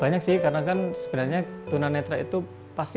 banyak sih karena kan sebenarnya tunanetra itu pasti